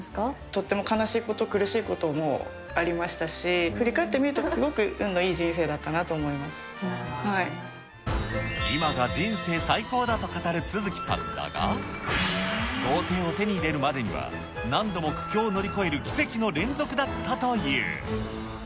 とっても悲しいこと、苦しいことありましたし、振り返ってみると、すごく運のいい人生だった今が人生最高だと語る續さんだが、豪邸を手に入れるまでには、何度も苦境を乗り越える奇跡の連続だったという。